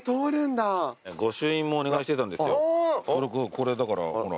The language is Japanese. これだからほら。